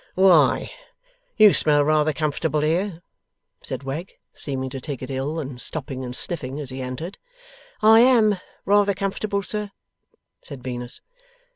'Why, you smell rather comfortable here!' said Wegg, seeming to take it ill, and stopping and sniffing as he entered. 'I AM rather comfortable, sir,' said Venus.